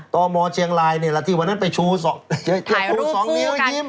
ตมเชียงรายนี่แหละที่วันนั้นไปชูสองนิ้วยิ้ม